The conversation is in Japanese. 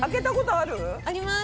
あります！